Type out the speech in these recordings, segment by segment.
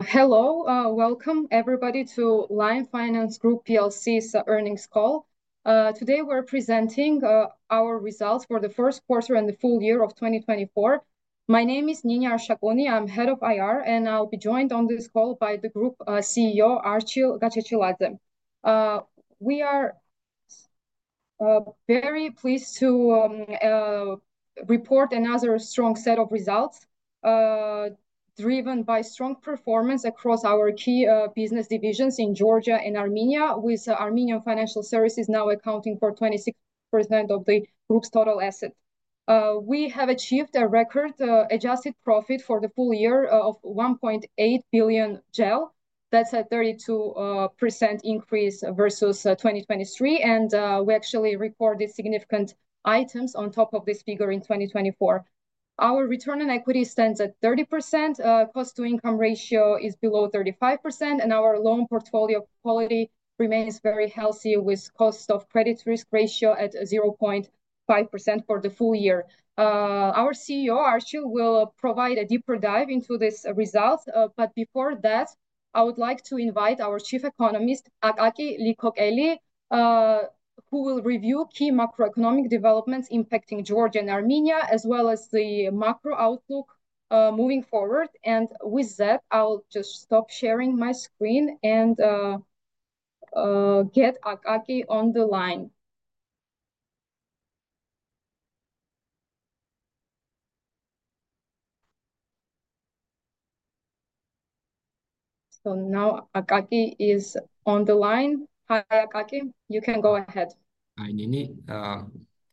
Welcome everybody to Lion Finance Group PLC's Earnings Call. Today we're presenting our results for the Q1 and the full year of 2024. My name is Nini Arshakuni, I'm head of IR and I'll be joined on this call by the Group CEO, Archil Gachechiladze. We are very pleased to report another strong set of results driven by strong performance across our key business divisions in Georgia and Armenia with Armenian Financial Services now accounting for 26% of the group's total assets. We have achieved a record adjusted profit for the full year of GEL 1.8 billion. That's a 32% increase versus 2023 and we actually recorded significant items on top of this figure in 2024. Our return on equity stands at 30% cost-to-income ratio is below 35% and our loan portfolio quality remains very healthy with cost of credit risk ratio at 0.5% for the full year. Our CEO, Archil, will provide a deeper dive into this result but before that, I would like to invite our Chief Economist, Akaki Liqokeli, who will review key macroeconomic developments impacting Georgia and Armenia, as well as the macro outlook moving forward. With that, I'll just stop sharing my screen and get Akaki on the line. Now Akaki is on the line. Hi Akaki, you can go ahead. Hi Nini,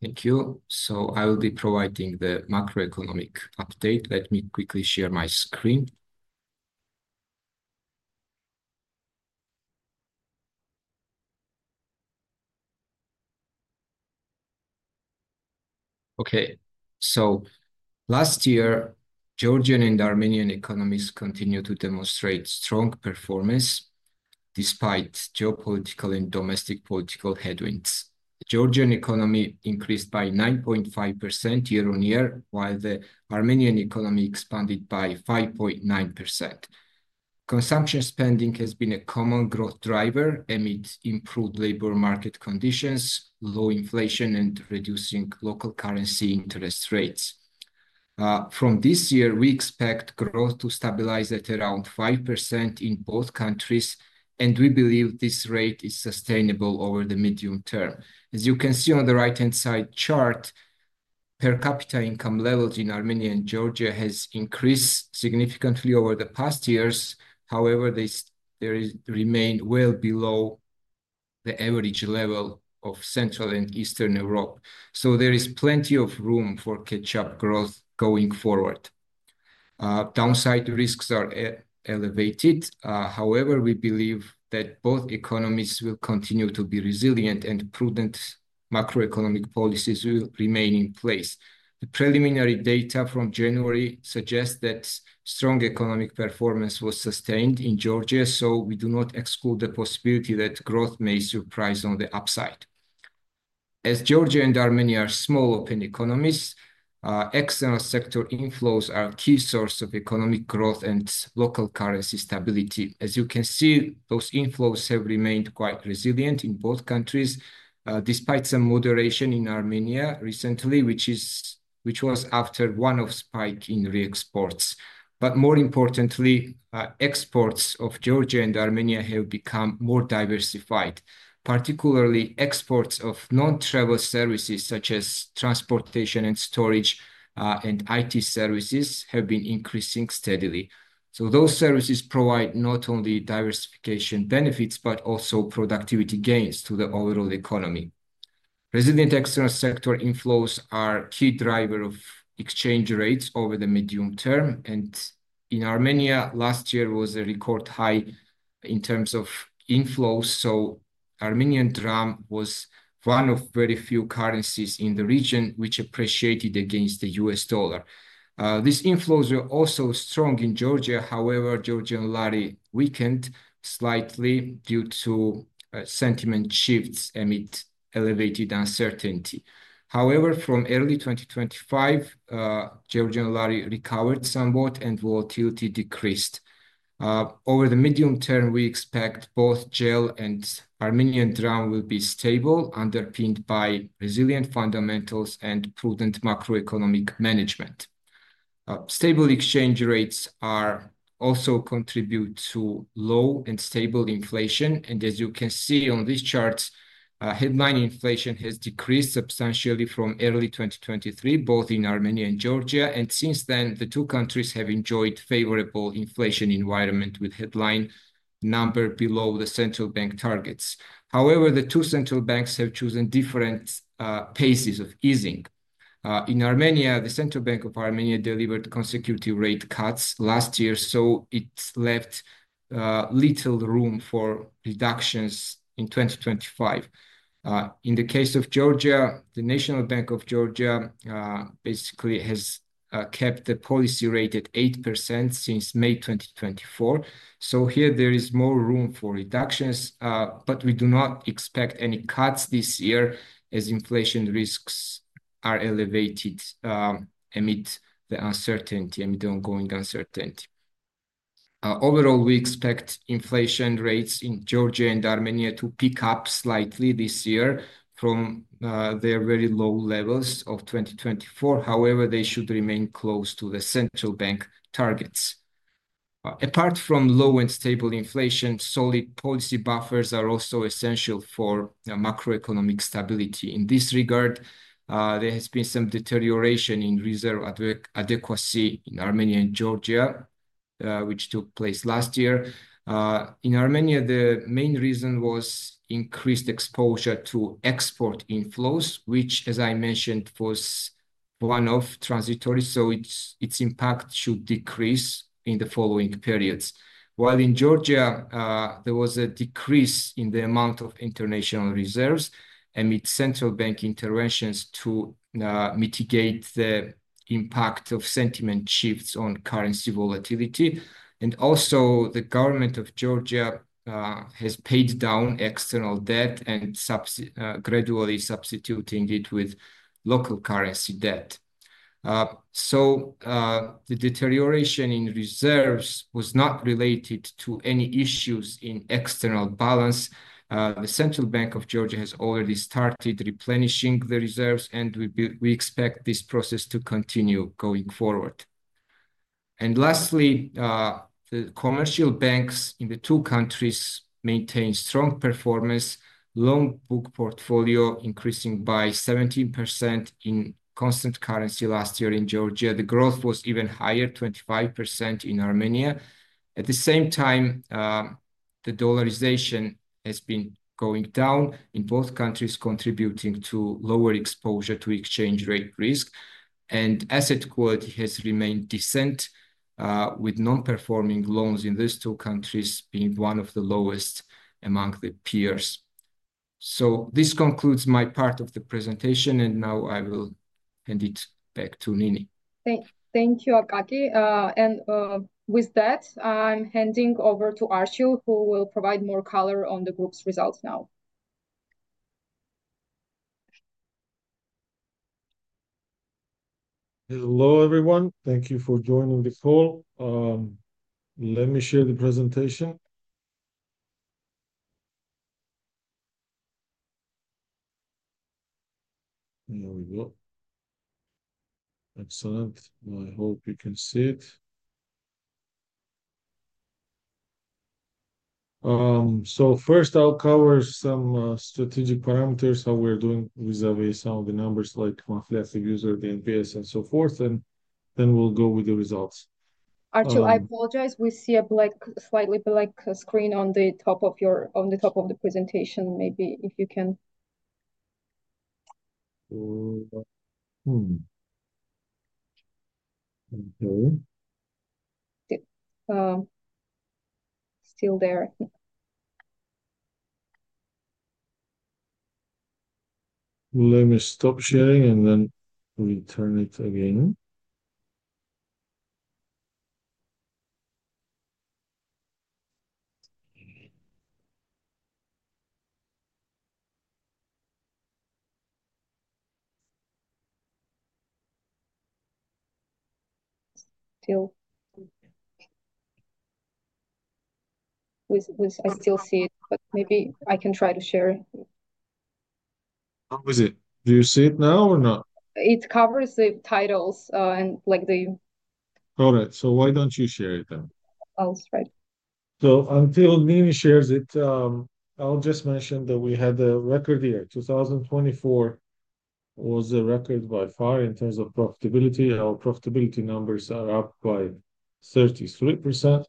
thank you. I will be providing the macroeconomic update. Let me quickly share my screen. Last year, the Georgian and Armenian economies continued to demonstrate strong performance despite geopolitical and domestic political headwinds. The Georgian economy increased by 9.5% year-on-year while the Armenian economy expanded by 5.9%. Consumer spending has been a common growth driver amid improved labor market conditions, low inflation, and reducing local currency interest rates. From this year, we expect growth to stabilize at around 5% in both countries and we believe this rate is sustainable over the medium term. As you can see on the right-hand side chart, per capita income levels in Armenia and Georgia has increased significantly over the past years. However, they remain well below the average level of Central and Eastern Europe. There is plenty of room for catch-up growth going forward. Downside risks are elevated. However, we believe that both economies will continue to be resilient and prudent macroeconomic policies will remain in place. The preliminary data from January suggests that strong economic performance was sustained in Georgia so we do not exclude the possibility that growth may surprise on the upside. As Georgia and Armenia are small open economies, external sector inflows are a key source of economic growth and local currency stability. As you can see, those inflows have remained quite resilient in both countries despite some moderation in Armenia recently which was after one-off spike in re-exports. But more importantly, exports of Georgia and Armenia have become more diversified. Particularly, exports of non-travel services such as transportation and storage and IT services have been increasing steadily. So those services provide not only diversification benefits but also productivity gains to the overall economy. Resident external sector inflows are a key driver of exchange rates over the medium term and in Armenia, last year was a record high in terms of inflows so Armenian dram was one of very few currencies in the region which appreciated against the U.S. dollar. These inflows were also strong in Georgia. However, Georgian lari weakened slightly due to sentiment shifts amid elevated uncertainty. However, from early 2025, Georgian lari recovered somewhat and volatility decreased. Over the medium term, we expect both GEL and Armenian dram will be stable, underpinned by resilient fundamentals and prudent macroeconomic management. Stable exchange rates also contribute to low and stable inflation and as you can see on this chart, headline inflation has decreased substantially from early 2023, both in Armenia and Georgia, and since then, the two countries have enjoyed a favorable inflation environment with headline numbers below the central bank targets. However, the two central banks have chosen different paces of easing. In Armenia, the Central Bank of Armenia delivered consecutive rate cuts last year so it left little room for reductions in 2025. In the case of Georgia, the National Bank of Georgia basically has kept the policy rate at 8% since May 2024. So here there is more room for reductions, but we do not expect any cuts this year as inflation risks are elevated amid the uncertainty, amid the ongoing uncertainty. Overall, we expect inflation rates in Georgia and Armenia to pick up slightly this year from their very low levels of 2024. However, they should remain close to the central bank targets. Apart from low and stable inflation, solid policy buffers are also essential for macroeconomic stability. In this regard, there has been some deterioration in reserve adequacy in Armenia and Georgia which took place last year. In Armenia, the main reason was increased exposure to export inflows, which, as I mentioned, was one-off transitory, so its impact should decrease in the following periods. While in Georgia, there was a decrease in the amount of international reserves amid central bank interventions to mitigate the impact of sentiment shifts on currency volatility, and also, the government of Georgia has paid down external debt and gradually substituting it with local currency debt, so the deterioration in reserves was not related to any issues in external balance. The Central Bank of Georgia has already started replenishing the reserves and we expect this process to continue going forward, and lastly, the commercial banks in the two countries maintain strong performance, loan book portfolio increasing by 17% in constant currency last year in Georgia. The growth was even higher 25% in Armenia. At the same time, the dollarization has been going down in both countries contributing to lower exposure to exchange rate risk and asset quality has remained decent with non-performing loans in these two countries being one of the lowest among the peers, so this concludes my part of the presentation and now I will hand it back to Nini. Thank you, Akaki. With that, I'm handing over to Archil, who will provide more color on the group's results now. Hello everyone, thank you for joining the call. Let me share the presentation. Here we go. Excellent. I hope you can see it. So first, I'll cover some strategic parameters, how we're doing vis-à-vis some of the numbers like monthly active user, the NPS, and so forth and then we'll go with the results. Archil, I apologize, we see a slightly black screen on the top of the presentation, maybe if you can. Okay. Still there. Let me stop sharing and then return it again. Still. I still see it, but maybe I can try to share it. How is it? Do you see it now or not? It covers the titles and like the. All right, so why don't you share it then? I'll share. Until Nini shares it, I'll just mention that we had a record year. 2024 was a record by far in terms of profitability. Our profitability numbers are up by 33%.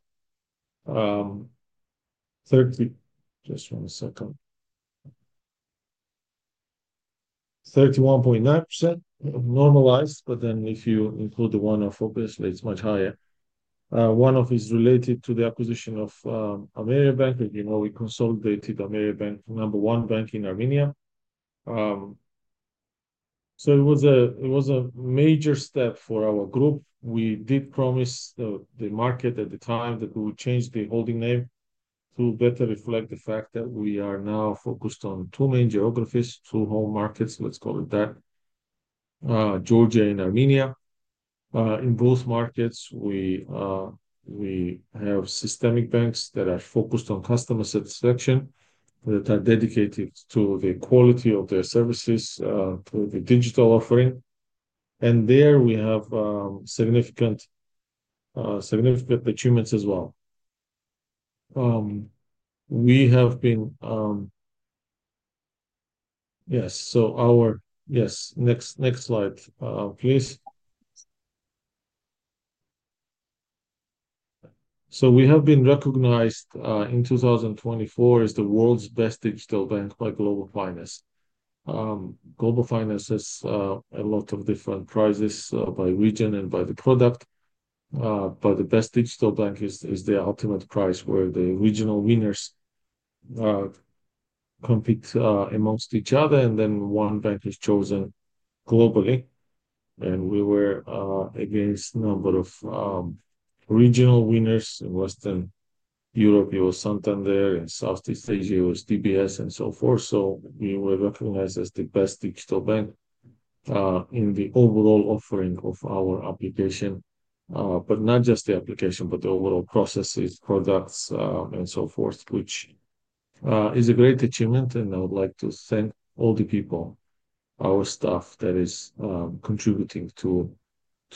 30, just one second. 31.9% normalized, but then if you include the one-off, obviously it's much higher. One-off is related to the acquisition of Ameriabank, as you know, we consolidated Ameriabank, number one bank in Armenia. It was a major step for our group. We did promise the market at the time that we would change the holding name to better reflect the fact that we are now focused on two main geographies, two home markets, let's call it that, Georgia and Armenia. In both markets, we have systemic banks that are focused on customer satisfaction that are dedicated to the quality of their services, to the digital offering. There we have significant achievements as well. Next slide please. So we have been recognized in 2024 as the World's Best Digital Bank by Global Finance. Global Finance has a lot of different prizes by region and by the product but the best digital bank is the ultimate prize where the regional winners compete amongst each other and then one bank is chosen globally and we were against a number of regional winners in Western Europe it was Santander and Southeast Asia, it was DBS and so forth. So we were recognized as the best digital bank in the overall offering of our application, but not just the application, but the overall processes, products, and so forth, which is a great achievement and I would like to thank all the people, our staff that is contributing to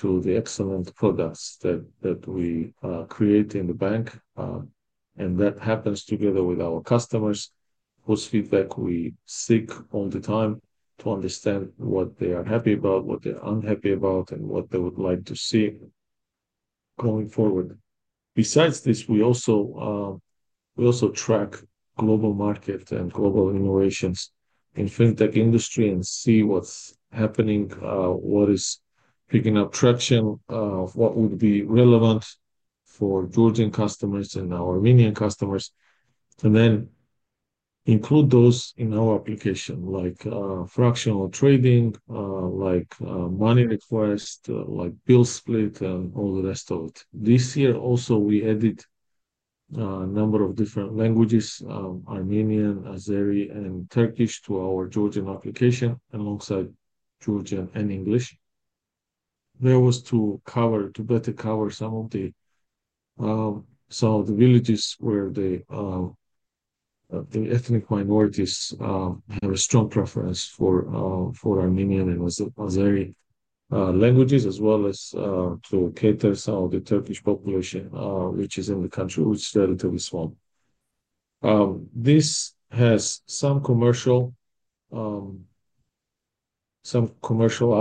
the excellent products that we create in the bank. And that happens together with our customers whose feedback we seek all the time to understand what they are happy about, what they're unhappy about, and what they would like to see going forward. Besides this, we also track global markets and global innovations in the fintech industry and see what's happening, what is picking up traction, what would be relevant for Georgian customers and our Armenian customers and then include those in our application like fractional trading, like money request, like bill split, and all the rest of it. This year also, we added a number of different languages, Armenian, Azeri, and Turkish to our Georgian application alongside Georgian and English. There was to cover, to better cover some of the villages where the ethnic minorities have a strong preference for Armenian and Azeri languages, as well as to cater some of the Turkish population, which is in the country, which is relatively small. This has some commercial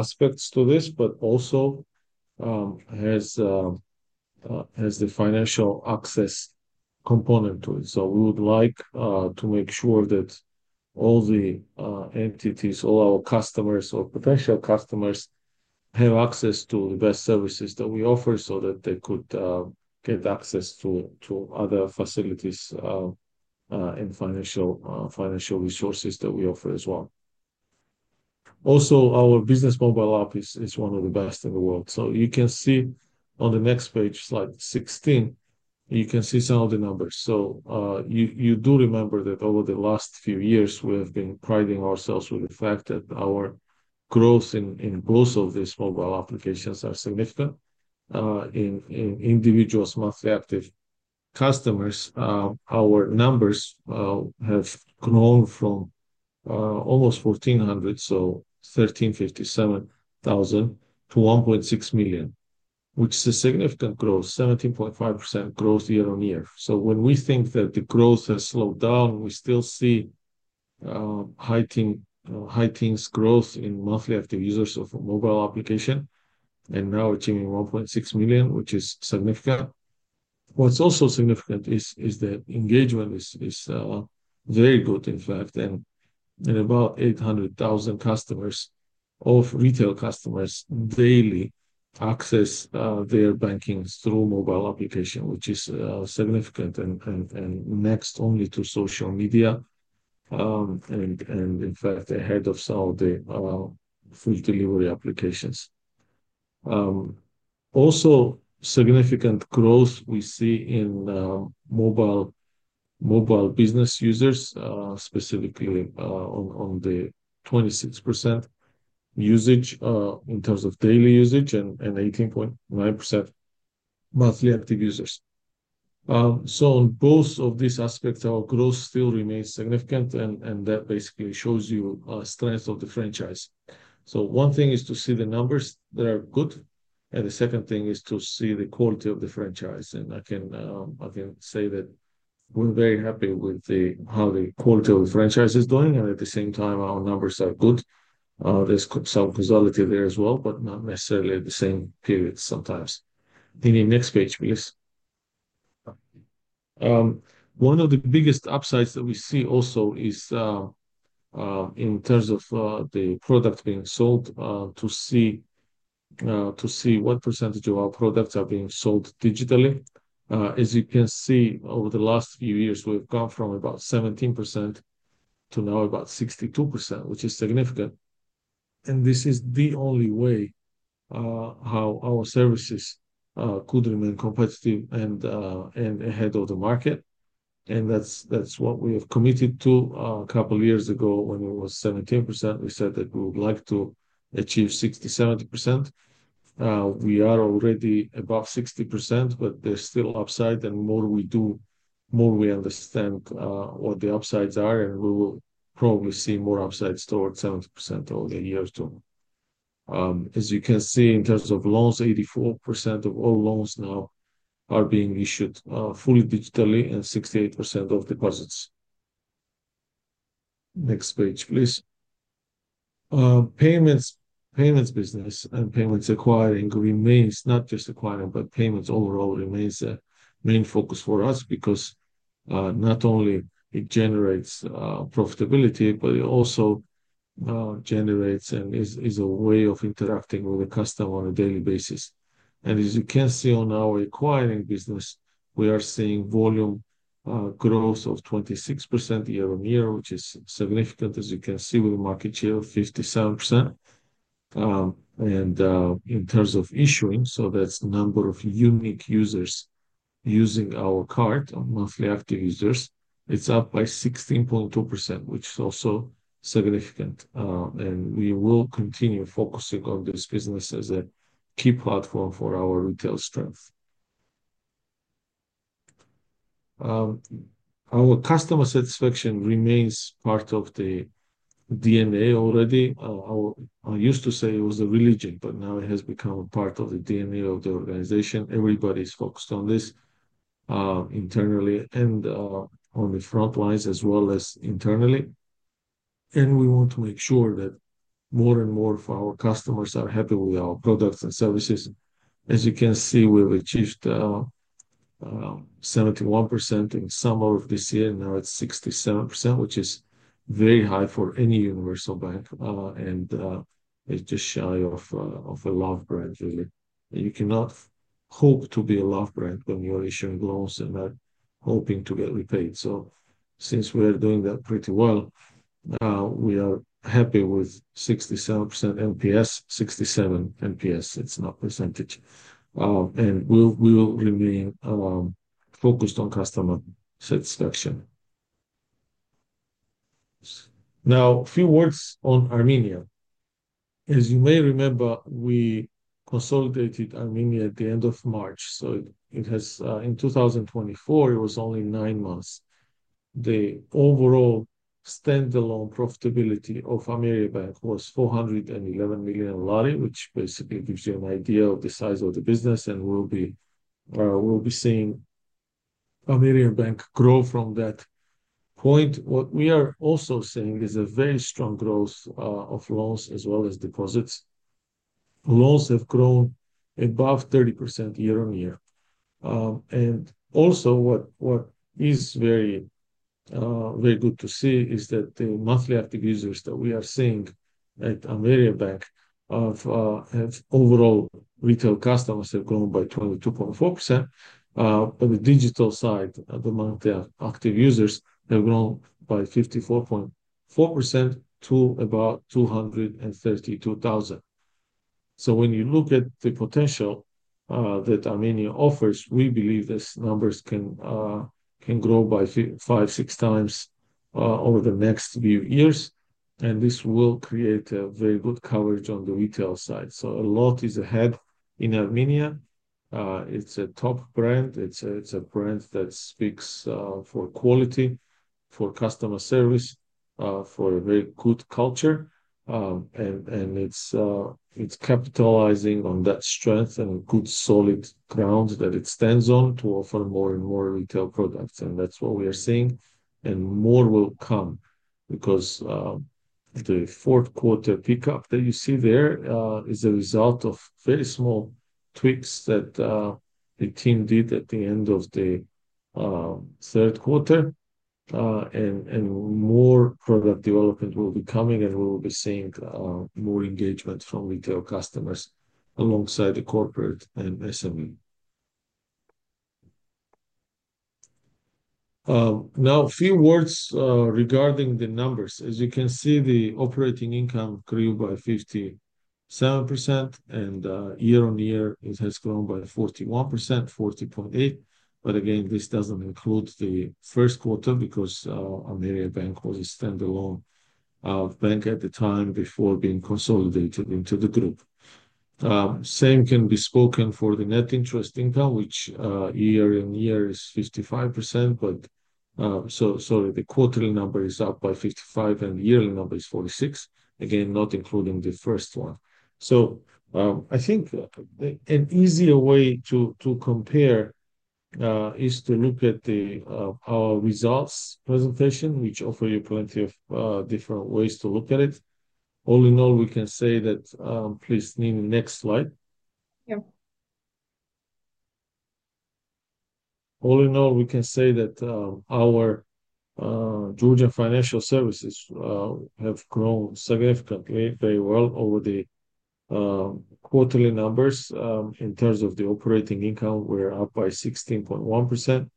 aspects to this but also has the financial access component to it. So we would like to make sure that all the entities, all our customers or potential customers have access to the best services that we offer so that they could get access to other facilities and financial resources that we offer as well. Also, our Business Mobile App is one of the best in the world. So you can see on the next page, slide 16, you can see some of the numbers. You do remember that over the last few years, we have been priding ourselves with the fact that our growth in both of these mobile applications is significant. In individuals, monthly active customers, our numbers have grown from almost 1,400, so 1,357,000, to 1.6 million which is a significant growth 17.5% growth year-on-year. When we think that the growth has slowed down, we still see heightened growth in monthly active users of a mobile application and now achieving 1.6 million, which is significant. What's also significant is the engagement is very good, in fact, and about 800,000 customers of retail customers daily access their banking through mobile application which is significant and next only to social media and, in fact, ahead of some of the food delivery applications. Also, significant growth we see in mobile business users, specifically on the 26% usage in terms of daily usage and 18.9% monthly active users. So on both of these aspects, our growth still remains significant, and that basically shows you the strength of the franchise. So one thing is to see the numbers that are good and the second thing is to see the quality of the franchise and I can say that we're very happy with how the quality of the franchise is doing. And at the same time, our numbers are good. There's some consolidated there as well, but not necessarily at the same period sometimes. Nini, next page, please. One of the biggest upsides that we see also is in terms of the product being sold, to see what percentage of our products are being sold digitally. As you can see, over the last few years, we've gone from about 17% to now about 62%, which is significant. And this is the only way how our services could remain competitive and ahead of the market and that's what we have committed to a couple of years ago when it was 17%. We said that we would like to achieve 60-70%. We are already above 60%, but there's still upside and the more we do, the more we understand what the upsides are, and we will probably see more upsides towards 70% over the year too. As you can see, in terms of loans, 84% of all loans now are being issued fully digitally and 68% of deposits. Next page, please. Payments business and payments acquiring remains, not just acquiring, but payments overall remains the main focus for us because not only it generates profitability but it also generates and is a way of interacting with the customer on a daily basis and as you can see on our acquiring business, we are seeing volume growth of 26% year-on-year, which is significant, as you can see with the market share of 57% and in terms of issuing, so that's the number of unique users using our card on monthly active users. It's up by 16.2%, which is also significant, and we will continue focusing on this business as a key platform for our retail strength. Our customer satisfaction remains part of the DNA already. I used to say it was a religion but now it has become a part of the DNA of the organization. Everybody's focused on this internally and on the front lines as well as internally and we want to make sure that more and more of our customers are happy with our products and services. As you can see, we've achieved 71% in summer of this year and now it's 67% which is very high for any universal bank and it's just shy of a love brand, really. You cannot hope to be a love brand when you're issuing loans and not hoping to get repaid. So since we are doing that pretty well, we are happy with 67% NPS, 67 NPS. It's not percentage, and we will remain focused on customer satisfaction. Now, a few words on Armenia. As you may remember, we consolidated Armenia at the end of March, so in 2024, it was only nine months. The overall standalone profitability of Ameriabank was GEL 411 million, which basically gives you an idea of the size of the business and will be seeing Ameriabank grow from that point. What we are also seeing is a very strong growth of loans as well as deposits. Loans have grown above 30% year-on-year and also what is very good to see is that the monthly active users that we are seeing at Ameriabank. Overall retail customers have grown by 22.4%. On the digital side, the monthly active users have grown by 54.4% to about 232,000. So when you look at the potential that Armenia offers, we believe these numbers can grow by 5-6x over the next few years and this will create a very good coverage on the retail side, so a lot is ahead in Armenia. It's a top brand. It's a brand that speaks for quality, for customer service, for a very good culture, and it's capitalizing on that strength and a good solid ground that it stands on to offer more and more retail products and that's what we are seeing and more will come because of Q4 pickup that you see there is a result of very small tweaks that the team did at the end of the Q3 and more product development will be coming and we will be seeing more engagement from retail customers alongside the corporate and SME. Now, a few words regarding the numbers. As you can see, the operating income grew by 57%, and year-on-year, it has grown by 41%, 40.8%, but again, this doesn't include the Q1 because Ameriabank was a standalone bank at the time before being consolidated into the group. Same can be spoken for the net interest income, which year-on-year is 55%. But sorry, the quarterly number is up by 55% and the yearly number is 46%, again, not including the first one. So I think an easier way to compare is to look at our results presentation, which offers you plenty of different ways to look at it. All in all, we can say that please, Nini, next slide. All in all, we can say that our Georgian financial services have grown significantly, very well over the quarterly numbers. In terms of the operating income, we're up by 16.1%.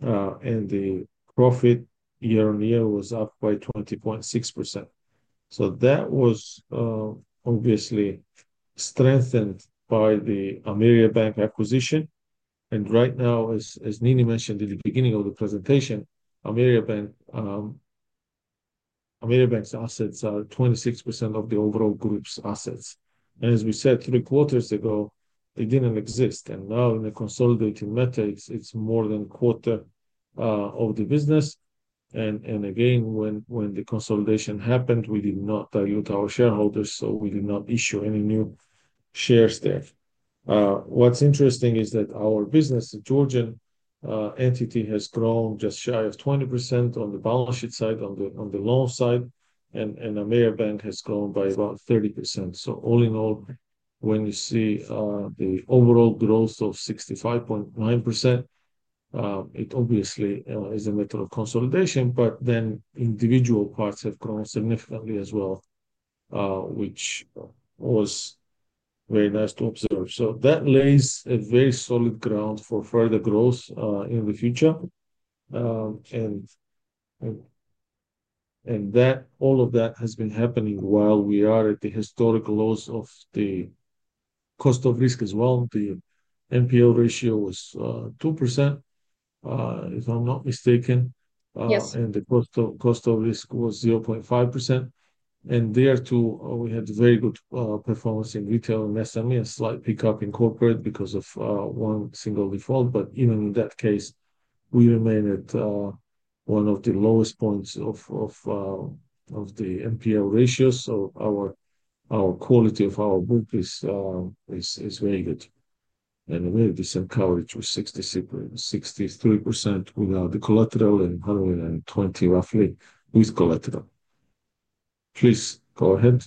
And the profit year-on-year was up by 20.6%. So that was obviously strengthened by the Ameriabank acquisition and right now, as Nini mentioned at the beginning of the presentation, Ameriabank's assets are 26% of the overall group's assets. As we said three quarters ago, it didn't exist. Now in the consolidated metrics, it's more than a quarter of the business. Again, when the consolidation happened, we did not dilute our shareholders, so we did not issue any new shares there. What's interesting is that our business, the Georgian entity, has grown just shy of 20% on the balance sheet side, on the loan side. Ameriabank has grown by about 30%. All in all, when you see the overall growth of 65.9%, it obviously is a matter of consolidation. Then individual parts have grown significantly as well, which was very nice to observe. That lays a very solid ground for further growth in the future. All of that has been happening while we are at the historical lows of the cost of risk as well. The NPL ratio was 2%, if I'm not mistaken, and the cost of risk was 0.5%. And there too, we had very good performance in retail and SME, a slight pickup in corporate because of one single default. But even in that case, we remain at one of the lowest points of the NPL ratios. So our quality of our book is very good. And a very decent coverage with 63% without the collateral and 120% roughly with collateral. Please go ahead.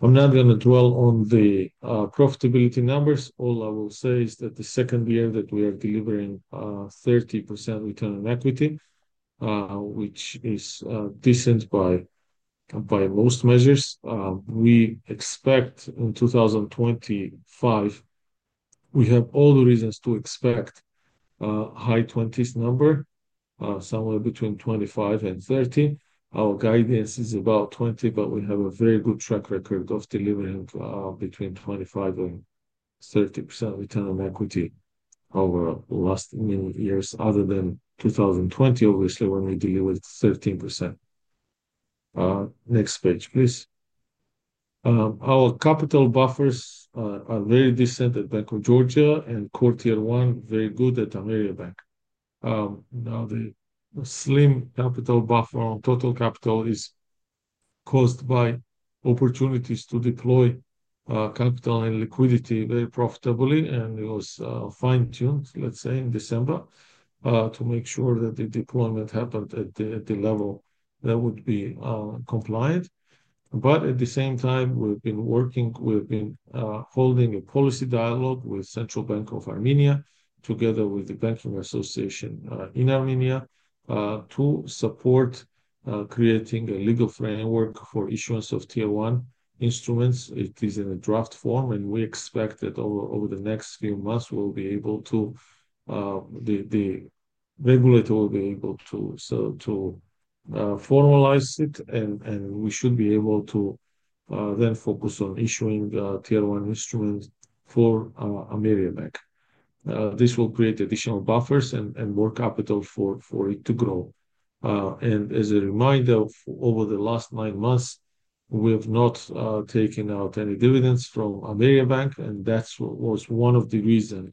I'm not going to dwell on the profitability numbers. All I will say is that the second year that we are delivering 30% return on equity, which is decent by most measures. We expect in 2025 we have all the reasons to expect a high 20s number, somewhere between 25% and 30%. Our guidance is about 20%, but we have a very good track record of delivering between 25-30% return on equity over the last many years other than 2020, obviously, when we delivered 13%. Next page, please. Our capital buffers are very decent at Bank of Georgia and Q1, very good at Ameriabank. Now, the slim capital buffer on total capital is caused by opportunities to deploy capital and liquidity very profitably and it was fine-tuned, let's say, in December to make sure that the deployment happened at the level that would be compliant, but at the same time, we've been working, we've been holding a policy dialogue with Central Bank of Armenia together with the Banking Association in Armenia to support creating a legal framework for issuance of Tier 1 instruments. It is in a draft form and we expect that over the next few months, the regulator will be able to formalize it and we should be able to then focus on issuing Tier 1 instruments for Ameriabank. This will create additional buffers and more capital for it to grow. And as a reminder, over the lastnine months, we have not taken out any dividends from Ameriabank, and that was one of the reasons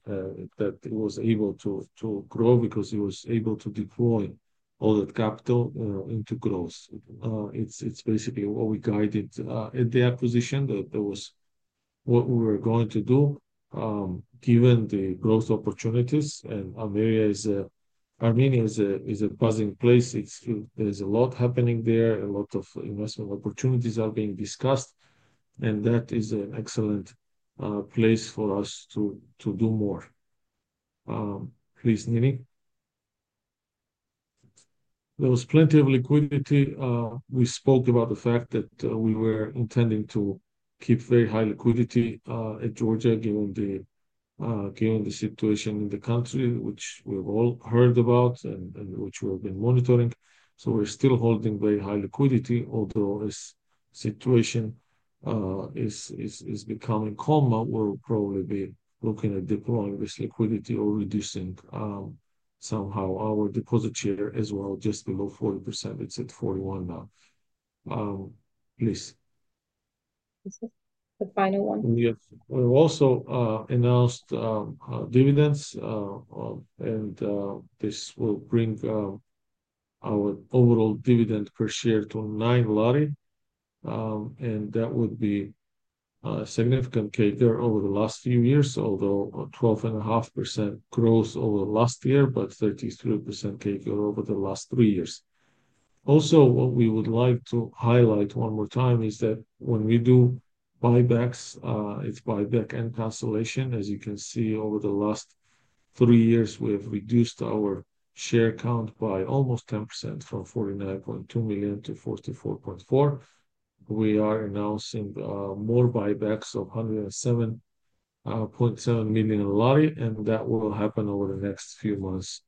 that it was able to grow because it was able to deploy all that capital into growth. It's basically what we guided at the acquisition that was what we were going to do given the growth opportunities and Armenia is a buzzing place. There's a lot happening there. A lot of investment opportunities are being discussed and that is an excellent place for us to do more. Please, Nini. There was plenty of liquidity. We spoke about the fact that we were intending to keep very high liquidity at Georgia given the situation in the country, which we've all heard about and which we've been monitoring, so we're still holding very high liquidity, although as the situation is becoming calmer we'll probably be looking at deploying this liquidity or reducing somehow our deposit share as well, just below 40% it's at 41% now, please. Yes, we also announced dividends and this will bring our over all dividend per share to GEL 9 and that would be a significant CAGR over the last few years, although 12.5% growth over the last year but 33% CAGR over the last three years. Also, what we would like to highlight one more time is that when we do buybacks, it's buyback and cancellation. As you can see, over the last three years, we have reduced our share count by almost 10% from GEL 49.2-44.4 million. We are announcing more buybacks of GEL 107.7 million and that will happen over the next few months.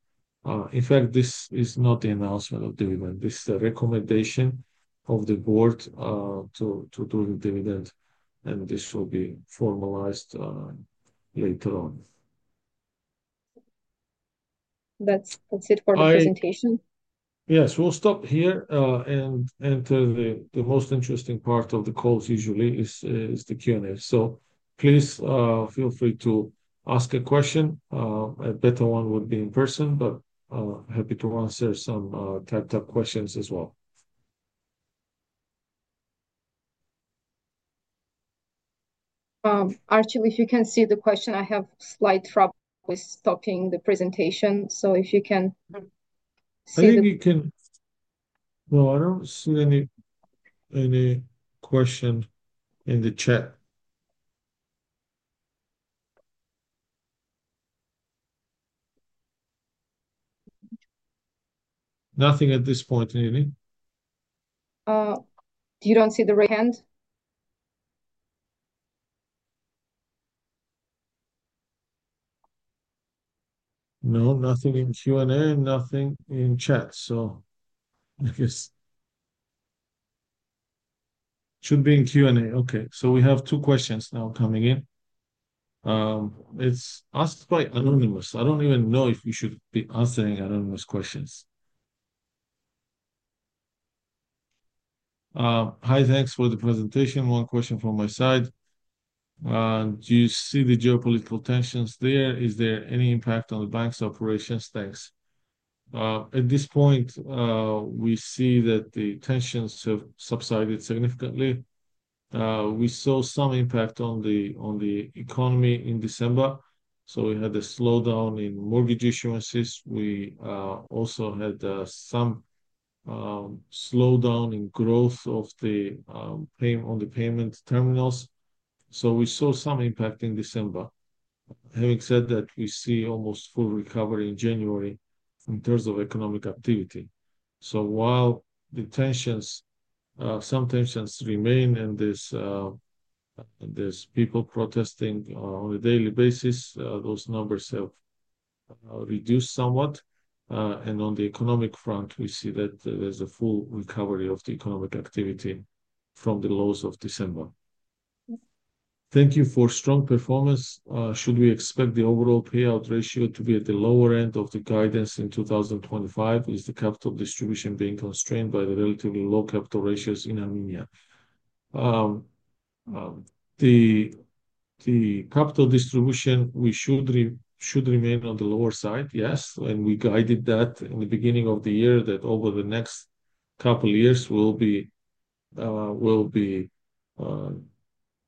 In fact, this is not the announcement of dividend. This is a recommendation of the board to do the dividend and this will be formalized later on. That's it for the presentation. Yes, we'll stop here and enter the most interesting part of the calls usually is the Q&A. So please feel free to ask a question. A better one would be in person, but happy to answer some typed-up questions as well. Archil, if you can see the question, I have a slight problem with stopping the presentation. So if you can see it. Maybe you can. No, I don't see any question in the chat. Nothing at this point, Nini. You don't see the right hand? No, nothing in Q&A, nothing in chat. So I guess it should be in Q&A. Okay. So we have two questions now coming in. It's asked by anonymous. I don't even know if you should be answering anonymous questions. Hi, thanks for the presentation. One question from my side. Do you see the geopolitical tensions there? Is there any impact on the bank's operations? Thanks. At this point, we see that the tensions have subsided significantly. We saw some impact on the economy in December. So we had a slowdown in mortgage issuances. We also had some slowdown in growth of the payment terminals. So we saw some impact in December. Having said that, we see almost full recovery in January in terms of economic activity. So while some tensions remain and there's people protesting on a daily basis those numbers have reduced somewhat and on the economic front, we see that there's a full recovery of the economic activity from the lows of December. Thank you for strong performance. Should we expect the overall payout ratio to be at the lower end of the guidance in 2025? Is the capital distribution being constrained by the relatively low capital ratios in Armenia? The capital distribution should remain on the lower side, yes and we guided that in the beginning of the year that over the next couple of years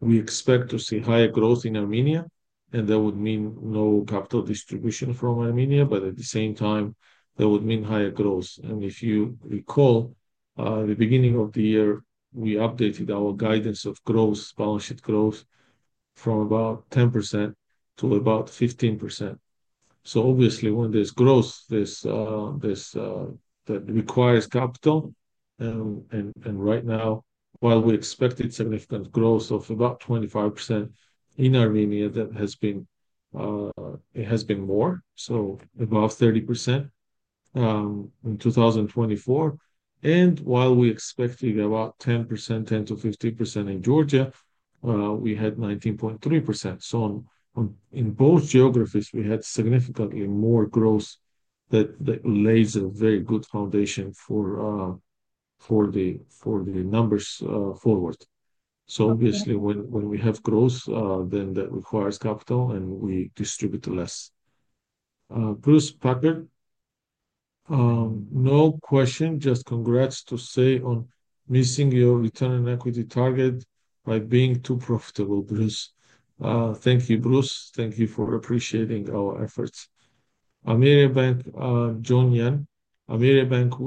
we expect to see higher growth in Armenia. And that would mean no capital distribution from Armenia, but at the same time, that would mean higher growth. And if you recall, at the beginning of the year, we updated our guidance of growth, balance sheet growth from about 10% to about 15%. So obviously, when there's growth that requires capital, and right now, while we expected significant growth of about 25% in Armenia, that has been more, so above 30% in 2024 and while we expected about 10-15% in Georgia, we had 19.3%. So in both geographies, we had significantly more growth that lays a very good foundation for the numbers forward. So obviously, when we have growth, then that requires capital and we distribute less. Bruce Packard. No question, just congrats to say on missing your return on equity target by being too profitable, Bruce. Thank you, Bruce. Thank you for appreciating our efforts. Ameriabank, John Yan. Ameriabank,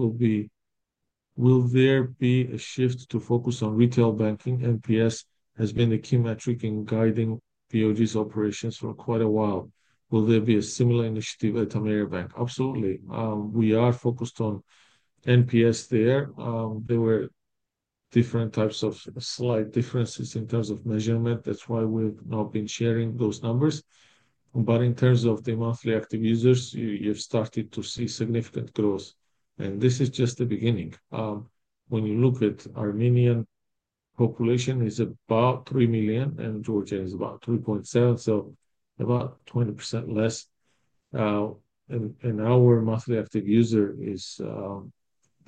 will there be a shift to focus on retail banking? NPS has been the key metric in guiding BoG's operations for quite a while. Will there be a similar initiative at Ameriabank? Absolutely. We are focused on NPS there. There were different types of slight differences in terms of measurement. That's why we've not been sharing those numbers but in terms of the monthly active users, you've started to see significant growth, and this is just the beginning. When you look at Armenian population, it's about 3 million, and Georgia is about 3.7, so about 20% less and our monthly active user is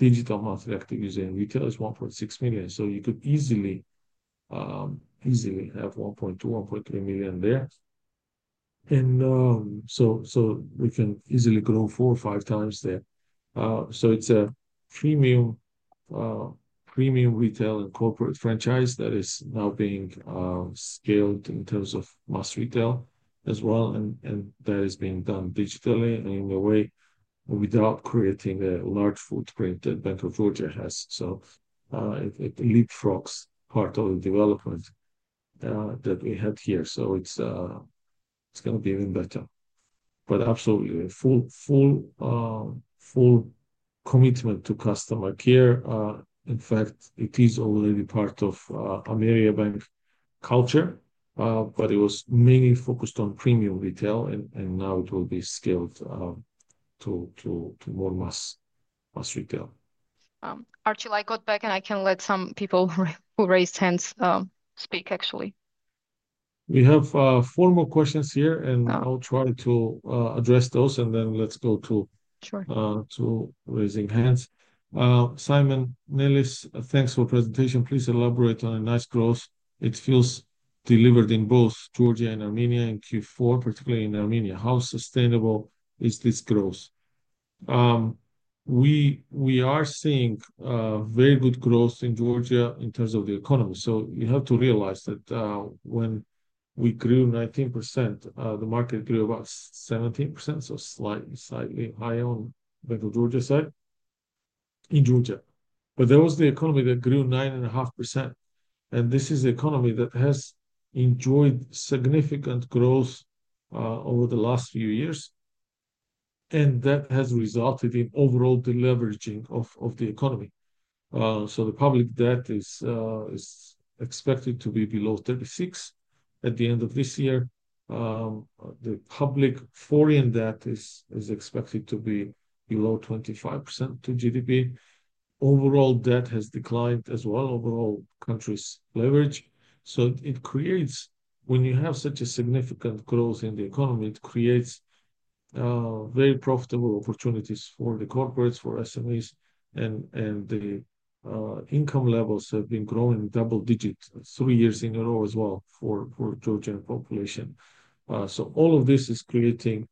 digital monthly active user in retail is 1.6 million. So you could easily have 1.2, 1.3 million there, and so we can easily grow 4 or 5x there. So it's a premium retail and corporate franchise that is now being scaled in terms of mass retail as well. That is being done digitally and in a way without creating a large footprint that Bank of Georgia has. So it leapfrogs part of the development that we had here so it's going to be even better. But absolutely, full commitment to customer care. In fact, it is already part of Ameriabank culture, but it was mainly focused on premium retail and now it will be scaled to more mass retail. Archil, I got back, and I can let some people who raised hands speak, actually. We have four more questions here, and I'll try to address those and then let's go to raising hands. Simon Nellis, thanks for the presentation. Please elaborate on a nice growth. It feels delivered in both Georgia and Armenia in Q4, particularly in Armenia. How sustainable is this growth? We are seeing very good growth in Georgia in terms of the economy. So you have to realize that when we grew 19%, the market grew about 17%, so slightly higher on Bank of Georgia side in Georgia. But there was the economy that grew 9.5% and this is the economy that has enjoyed significant growth over the last few years and that has resulted in overall deleveraging of the economy. So the public debt is expected to be below 36% at the end of this year. The public foreign debt is expected to be below 25% to GDP. Overall debt has declined as wellm overall country's leverage. So when you have such a significant growth in the economy, it creates very profitable opportunities for the corporates, for SMEs and the income levels have been growing double digits, three years in a row as well for Georgia population. So all of this is creating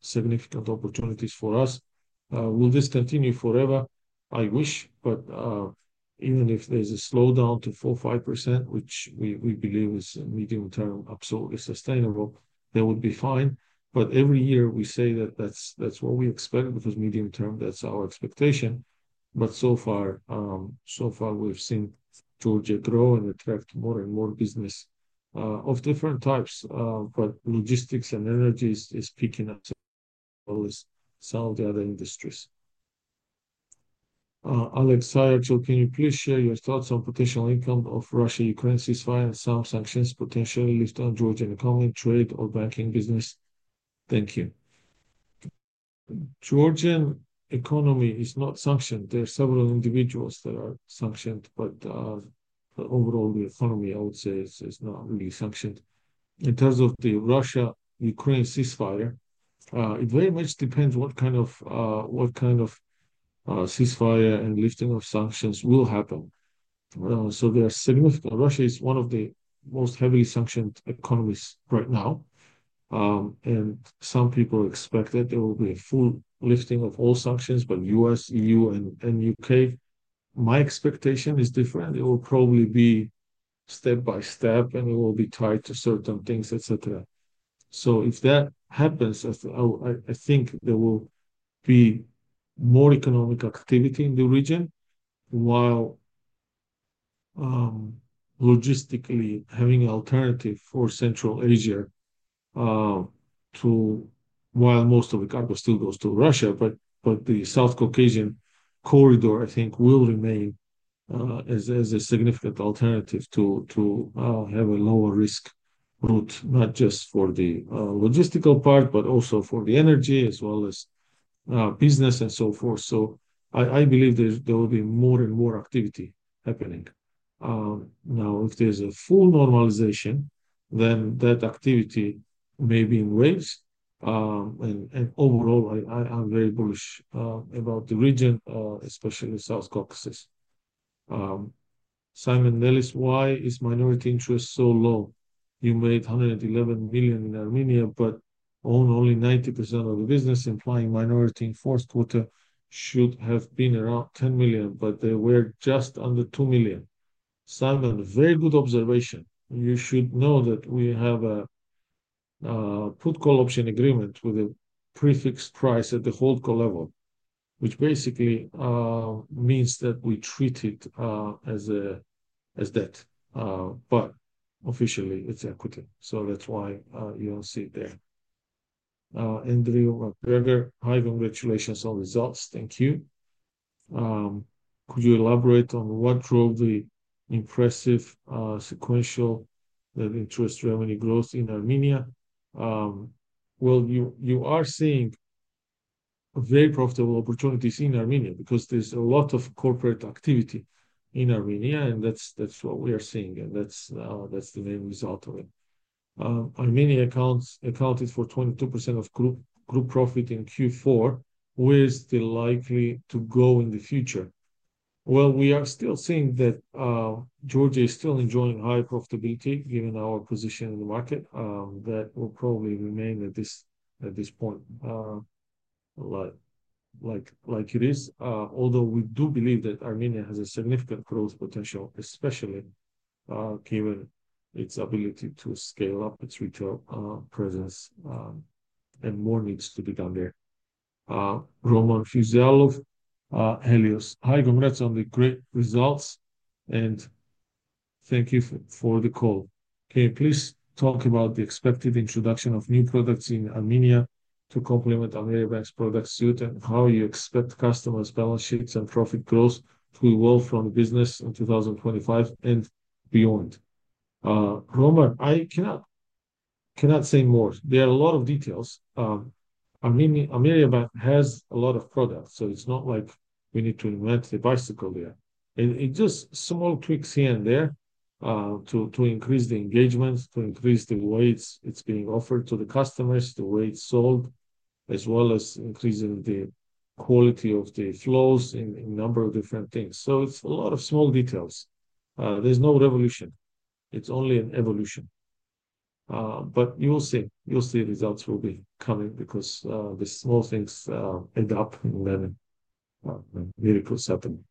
significant opportunities for us. Will this continue forever? I wish, but even if there's a slowdown to 4-5%, which we believe is medium-term absolutely sustainable, that would be fine, but every year we say that that's what we expect because medium-term, that's our expectation, but so far, we've seen Georgia grow and attract more and more business of different types but logistics and energy is picking up some of the other industries. Alex, hi, Archil. Can you please share your thoughts on potential impact of Russia-Ukraine ceasefire and some sanctions potentially lift on Georgia and economy, trade, or banking business? Thank you. Georgian economy is not sanctioned. There are several individuals that are sanctioned, but overall, the economy, I would say, is not really sanctioned. In terms of the Russia-Ukraine ceasefire, it very much depends what kind of ceasefire and lifting of sanctions will happen. So there are significant. Russia is one of the most heavily sanctioned economies right now and some people expect that there will be a full lifting of all sanctions, but U.S., E.U., and U.K. My expectation is different. It will probably be step by step, and it will be tied to certain things, et cetera. So if that happens, I think there will be more economic activity in the region while logistically having an alternative for Central Asia while most of the cargo still goes to Russia but the South Caucasus corridor, I think, will remain as a significant alternative to have a lower risk route, not just for the logistical part, but also for the energy as well as business and so forth. So I believe there will be more and more activity happening. Now, if there's a full normalization, then that activity may be in waves. Overall, I'm very bullish about the region, especially South Caucasus. Simon Nellis, why is minority interest so low? You made AMD 111 million in Armenia but own only 90% of the business, implying minority interest should have been around AMD 10 million but they were just under AMD 2 million. Simon, very good observation. You should know that we have a put call option agreement with a prefixed price at the HoldCo level, which basically means that we treat it as debt, but officially it's equity. So that's why you don't see it there. Andrew McGregor, hi, congratulations on the results. Thank you. Could you elaborate on what drove the impressive sequential net interest margin growth in Armenia? Well, you are seeing very profitable opportunities in Armenia because there's a lot of corporate activity in Armenia and that's what we are seeing, and that's the main result of it. Armenia accounted for 22% of group profit in Q4. Where is that likely to go in the future? Well, we are still seeing that Georgia is still enjoying high profitability given our position in the market that will probably remain at this point like it is. Although we do believe that Armenia has a significant growth potential, especially given its ability to scale up its retail presence and more needs to be done there. Roman Fizaylov, Helios, hi, congrats on the great results, and thank you for the call. Can you please talk about the expected introduction of new products in Armenia to complement Ameriabank's product suite and how you expect customers' balance sheets and profit growth to evolve from the business in 2025 and beyond? Roman, I cannot say more. There are a lot of details. Ameriabank has a lot of products, so it's not like we need to invent the bicycle there. It's just small tweaks here and there to increase the engagement, to increase the weights it's being offered to the customers, the weights sold, as well as increasing the quality of the flows in a number of different things. So it's a lot of small details. There's no revolution. It's only an evolution but you'll see. You'll see results will be coming because the small things add up and then miracles happen.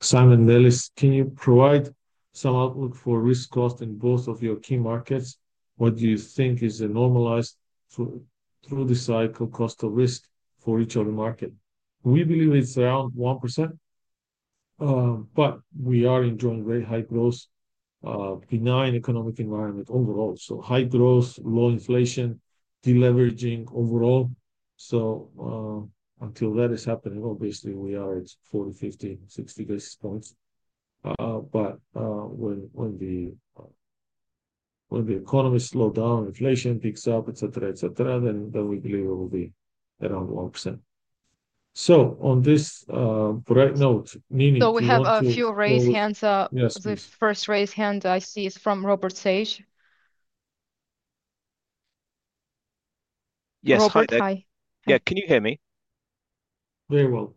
Simon Nellis, can you provide some outlook for risk cost in both of your key markets? What do you think is a normalized through the cycle cost of risk for each of the markets? We believe it's around 1%, but we are enjoying very high growth, benign economic environment overall. So high growth, low inflation, deleveraging overall. So until that is happening, obviously, we are at 40, 50, 60 basis points. But when the economy slows down, inflation picks up, et cetera, et cetera. Then we believe it will be around 1%. So on this bright note, meaning that. We have a few raised hands, the first raised hand I see is from Robert Sage. Yes, hi. Yeah, can you hear me? Very well.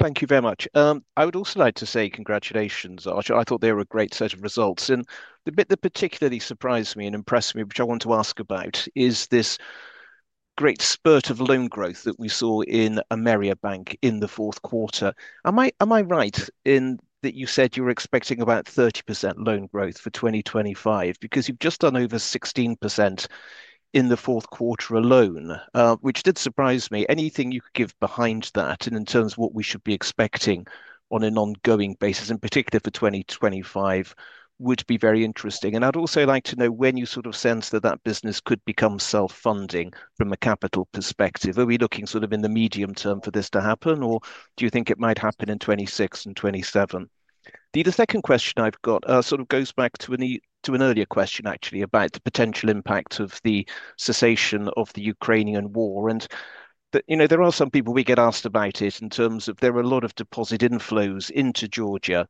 Thank you very much. I would also like to say congratulations, Archil. I thought they were a great set of results. The bit that particularly surprised me and impressed me, which I want to ask about, is this great spurt of loan growth that we saw in Ameriabank in the Q4. Am I right in that you said you were expecting about 30% loan growth for 2025? Because you've just done over 16% in the Q4 alone, which did surprise me. Anything you could give behind that in terms of what we should be expecting on an ongoing basis, in particular for 2025, would be very interesting. And I'd also like to know when you sort of sense that that business could become self-funding from a capital perspective. Are we looking sort of in the medium term for this to happen, or do you think it might happen in 2026 and 2027? The second question I've got sort of goes back to an earlier question, actually, about the potential impact of the cessation of the Ukrainian war and there are some people we get asked about it in terms of there are a lot of deposit inflows into Georgia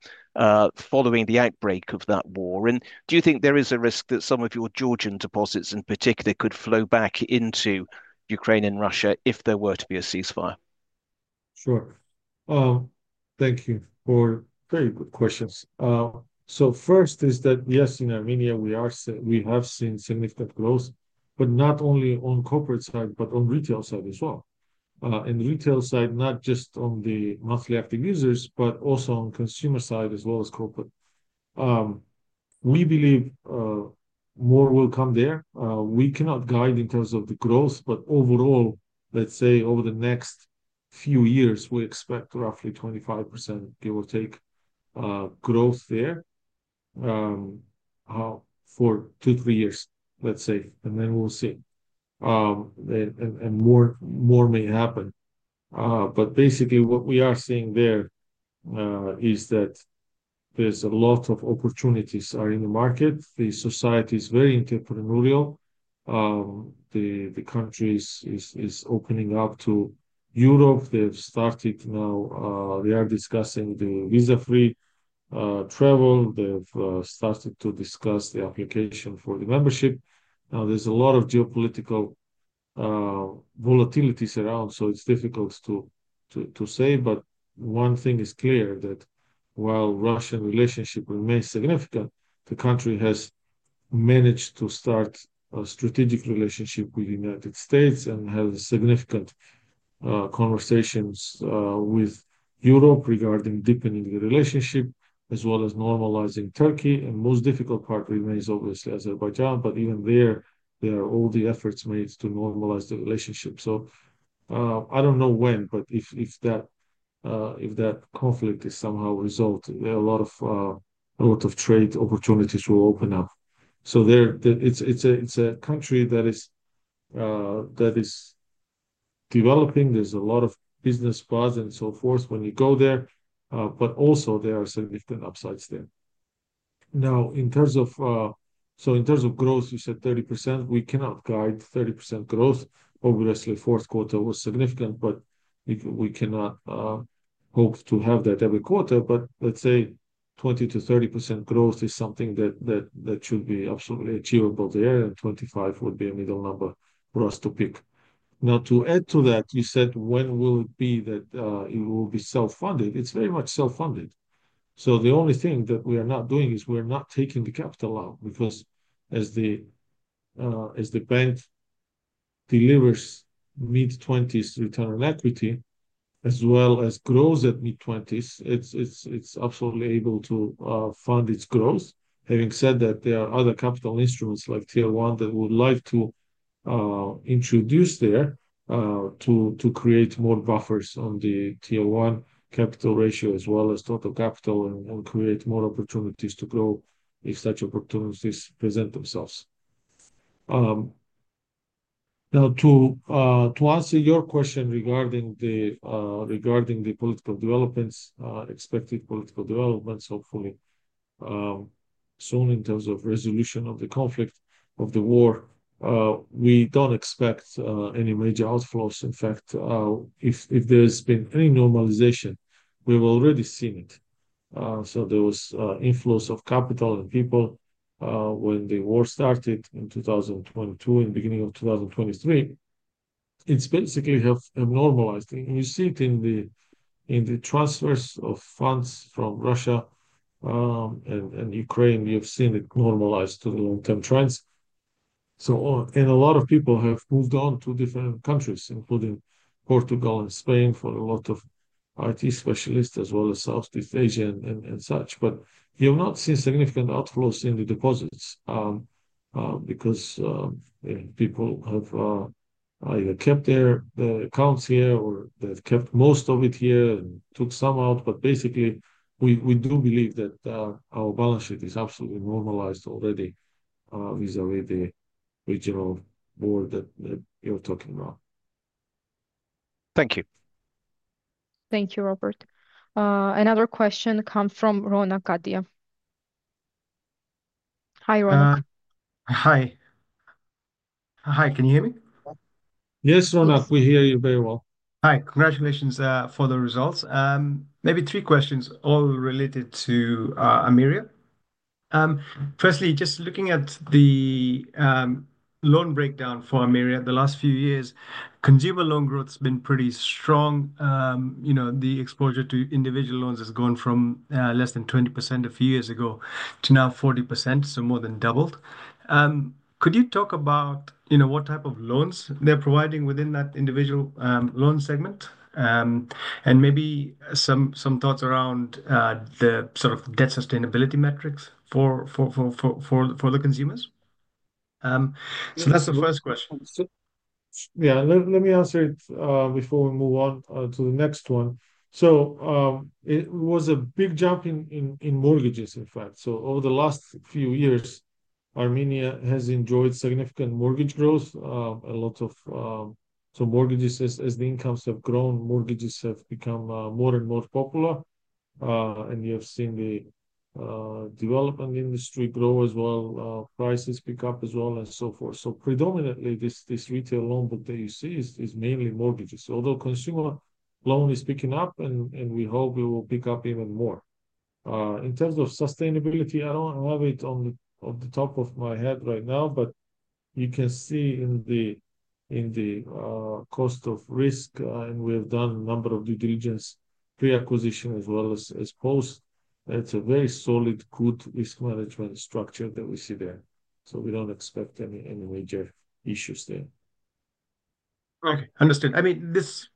following the outbreak of that war. And do you think there is a risk that some of your Georgian deposits in particular could flow back into Ukraine and Russia if there were to be a ceasefire? Sure. Thank you for very good questions. So first is that, yes, in Armenia, we have seen significant growth, but not only on corporate side, but on retail side as well. In the retail side, not just on the monthly active users, but also on consumer side as well as corporate. We believe more will come there. We cannot guide in terms of the growth, but overall, let's say over the next few years, we expect roughly 25%, give or take, growth there for two, three years, let's say and then we'll see, and more may happen. But basically, what we are seeing there is that there's a lot of opportunities in the market. The society is very entrepreneurial. The country is opening up to Europe. They've started now. They are discussing the visa-free travel. They've started to discuss the application for the membership. Now, there's a lot of geopolitical volatilities around, so it's difficult to say, but one thing is clear, that while Russian relationship remains significant, the country has managed to start a strategic relationship with the United States and has significant conversations with Europe regarding deepening the relationship, as well as normalizing Turkey and the most difficult part remains obviously Azerbaijan, but even there, there are all the efforts made to normalize the relationship. So I don't know when, but if that conflict is somehow resolved, a lot of trade opportunities will open up, so it's a country that is developing. There's a lot of business spots and so forth when you go there. But also, there are significant upsides there. Now, in terms of growth, you said 30%. We cannot guide 30% growth. Obviously, Q4 was significant, but we cannot hope to have that every quarter. But let's say 20-30% growth is something that should be absolutely achievable there, and 25 would be a middle number for us to pick. Now, to add to that, you said when will it be that it will be self-funded? It's very much self-funded. So the only thing that we are not doing is we're not taking the capital out because as the bank delivers mid-20s return on equity, as well as grows at mid-20s, it's absolutely able to fund its growth. Having said that, there are other capital instruments like Tier 1 that we would like to introduce there to create more buffers on the Tier 1 capital ratio as well as total capital and create more opportunities to grow if such opportunities present themselves. Now, to answer your question regarding the political developments, expected political developments, hopefully soon in terms of resolution of the conflict of the war, we don't expect any major outflows. In fact, if there's been any normalization, we've already seen it, so there was inflows of capital and people when the war started in 2022, in the beginning of 2023. It's basically normalized. You see it in the transfers of funds from Russia and Ukraine. You've seen it normalize to the long-term trends. A lot of people have moved on to different countries, including Portugal and Spain, for a lot of IT specialists, as well as Southeast Asia and such. But you've not seen significant outflows in the deposits because people have either kept their accounts here or they've kept most of it here and took some out. But basically, we do believe that our balance sheet is absolutely normalized already vis-à-vis the regional war that you're talking about. Thank you. Thank you, Robert. Another question comes from Ronak Gadhia. Hi, Ronak. Hi. Hi. Can you hear me? Yes, Ronak. We hear you very well. Hi. Congratulations for the results. Maybe three questions, all related to Ameriabank. Firstly, just looking at the loan breakdown for Ameriabank the last few years, consumer loan growth has been pretty strong. The exposure to individual loans has gone from less than 20% a few years ago to now 40%, so more than doubled. Could you talk about what type of loans they're providing within that individual loan segment? And maybe some thoughts around the sort of debt sustainability metrics for the consumers? So that's the first question. Yeah, let me answer it before we move on to the next one. So it was a big jump in mortgages, in fact. So over the last few years, Armenia has enjoyed significant mortgage growth. So mortgages, as the incomes have grown, mortgages have become more and more popular and you have seen the development industry grow as well, prices pick up as well, and so forth. So predominantly, this retail loan book that you see is mainly mortgages. Although consumer loan is picking up, and we hope it will pick up even more. In terms of sustainability, I don't have it on the top of my head right now, but you can see in the cost of risk, and we have done a number of due diligence pre-acquisition as well as post. It's a very solid, good risk management structure that we see there. So we don't expect any major issues there. Okay, understood. I mean, this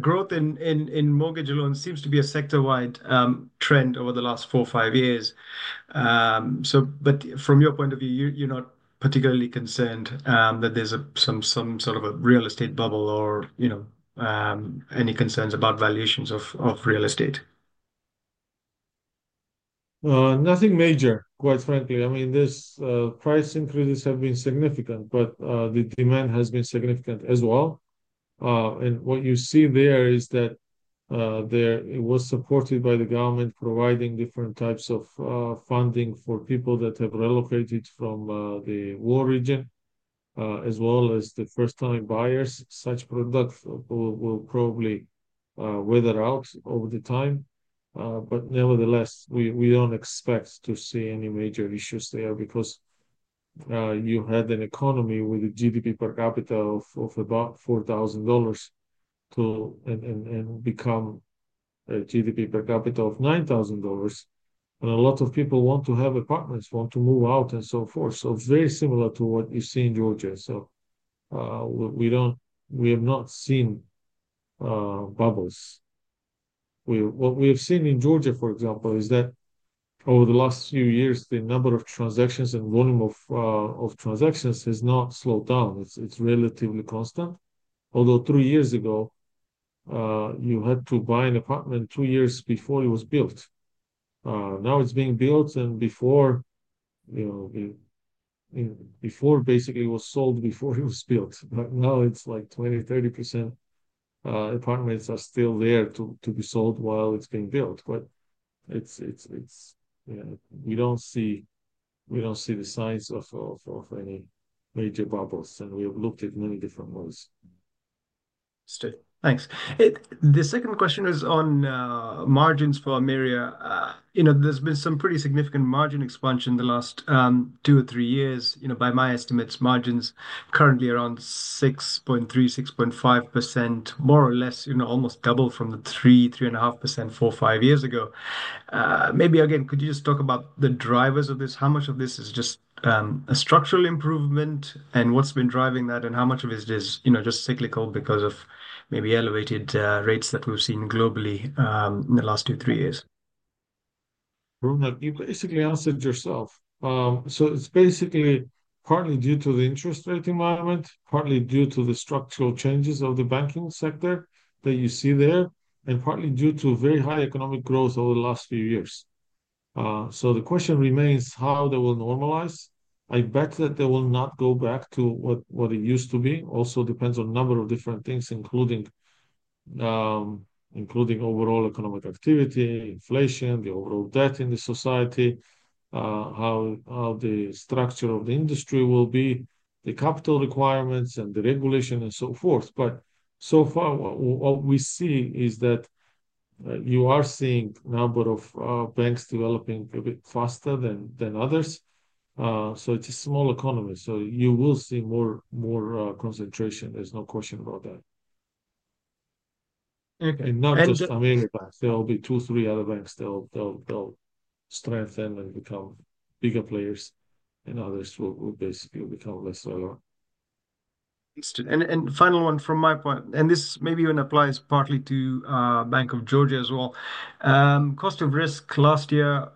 growth in mortgage loans seems to be a sector-wide trend over the last four, five years. But from your point of view, you're not particularly concerned that there's some sort of a real estate bubble or any concerns about valuations of real estate? Nothing major, quite frankly. I mean, these price increases have been significant, but the demand has been significant as well. What you see there is that it was supported by the government providing different types of funding for people that have relocated from the war region, as well as the first-time buyers. Such products will probably weather out over time. Nevertheless, we don't expect to see any major issues there because you had an economy with a GDP per capita of about $4,000 and become a GDP per capita of $9,000. A lot of people want to have apartments, want to move out, and so forth. Very similar to what you see in Georgia, we have not seen bubbles. What we have seen in Georgia, for example, is that over the last few years, the number of transactions and volume of transactions has not slowed down. It's relatively constant. Although three years ago, you had to buy an apartment two years before it was built. Now it's being built, and before, basically, it was sold before it was built. But now it's like 20-30% apartments are still there to be sold while it's being built. But we don't see the signs of any major bubbles, and we have looked at many different ways. Thanks. The second question is on margins for Ameriabank. There's been some pretty significant margin expansion the last two or three years. By my estimates, margins currently around 6.3-6.5%, more or less, almost double from the 3-3.5% four, five years ago. Maybe again, could you just talk about the drivers of this? How much of this is just a structural improvement, and what's been driving that, and how much of it is just cyclical because of maybe elevated rates that we've seen globally in the last tow, three years? Ronak, You basically answered yourself. So it's basically partly due to the interest rate environment, partly due to the structural changes of the banking sector that you see there, and partly due to very high economic growth over the last few years. The question remains how they will normalize. I bet that they will not go back to what it used to be. It also depends on a number of different things, including overall economic activity, inflation, the overall debt in the society, how the structure of the industry will be, the capital requirements and the regulation, and so forth. But so far, what we see is that you are seeing a number of banks developing a bit faster than others. It's a small economy. You will see more concentration. There's no question about that, and not just Ameriabank. There will be two, three other banks that will strengthen and become bigger players and others will basically become less relevant. Interesting. And final one from my point, and this maybe even applies partly to Bank of Georgia as well. Cost of risk last year,